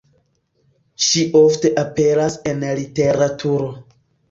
Ŝi ofte aperas en literaturo.